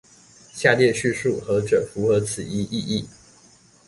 下列敘述何者符合此一意義？